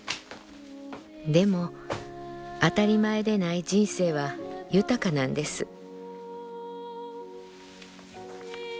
でも当たり前で無い人生は豊かなんです」。